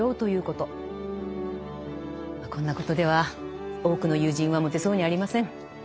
こんなことでは多くの友人は持てそうにありません。